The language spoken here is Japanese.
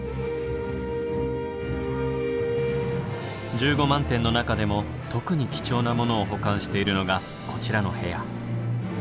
１５万点の中でも特に貴重なものを保管しているのがこちらの部屋。